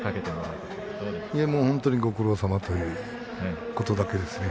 いや、本当にご苦労さまというだけですね。